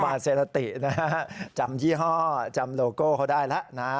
เซราตินะฮะจำยี่ห้อจำโลโก้เขาได้แล้วนะ